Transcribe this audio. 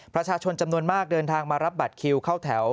ประชาชนจำนวนมากเดินทางมารับบัตรคิวเข้าแถว